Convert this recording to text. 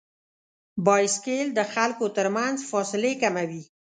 بایسکل د خلکو تر منځ فاصلې کموي.